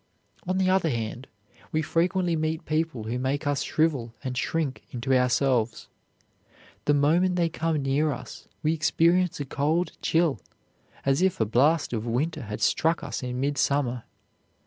On the other hand, we frequently meet people who make us shrivel and shrink into ourselves. The moment they come near us we experience a cold chill, as if a blast of winter had struck us in midsummer.